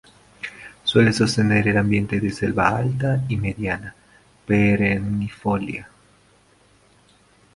Suele sostener el ambiente de selva alta y mediana perennifolia.